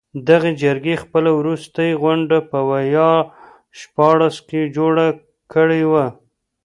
دغې جرګې خپله وروستۍ غونډه په ویا شپاړس کې جوړه کړې وه.